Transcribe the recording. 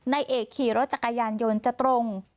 ไนเอกคี่รถจักรยานโยนจะตรง